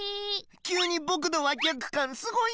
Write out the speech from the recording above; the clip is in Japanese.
きゅうにぼくのわきやくかんすごいんだけど。